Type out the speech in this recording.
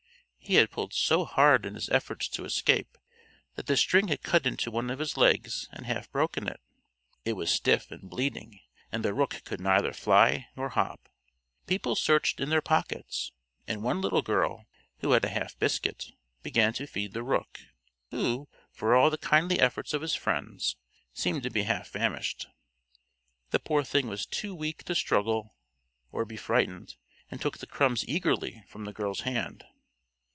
He had pulled so hard in his efforts to escape that the string had cut into one of his legs and half broken it. It was stiff and bleeding, and the rook could neither fly nor hop. People searched in their pockets, and one little girl, who had a half biscuit, began to feed the rook, who, for all the kindly efforts of his friends, seemed to be half famished. The poor thing was too weak to struggle or be frightened, and took the crumbs eagerly from the girl's hand.